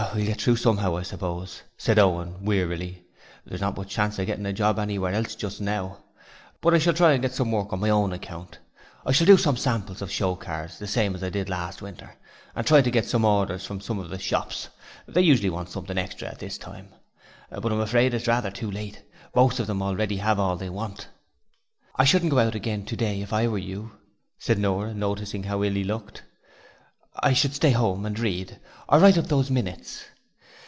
'We'll get through somehow, I suppose,' said Owen, wearily. 'There's not much chance of getting a job anywhere else just now, but I shall try to get some work on my own account. I shall do some samples of show cards the same as I did last winter and try to get orders from some of the shops they usually want something extra at this time, but I'm afraid it is rather too late: most of them already have all they want.' 'I shouldn't go out again today if I were you,' said Nora, noticing how ill he looked. 'You should stay at home and read, or write up those minutes.'